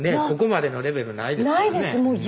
ここまでのレベルないですからね。